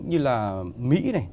như là mỹ này